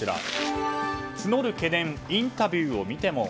募る懸念、インタビューを見ても。